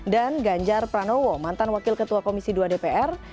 dan ganjar pranowo mantan wakil ketua komisi dua dpr